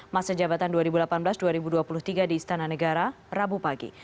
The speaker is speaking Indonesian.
masa jabatan dua ribu delapan belas dua ribu dua puluh tiga di istana negara rabu pagi